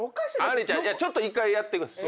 ちょっと１回やってください。